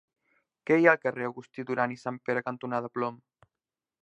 Què hi ha al carrer Agustí Duran i Sanpere cantonada Plom?